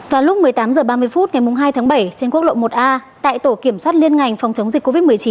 vào lúc một mươi tám h ba mươi phút ngày hai tháng bảy trên quốc lộ một a tại tổ kiểm soát liên ngành phòng chống dịch covid một mươi chín